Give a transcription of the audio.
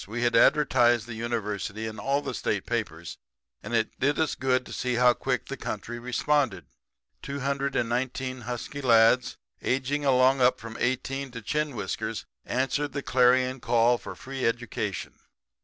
We had advertised the University in all the state papers, and it did us good to see how quick the country responded. Two hundred and nineteen husky lads aging along from 18 up to chin whiskers answered the clarion call of free education.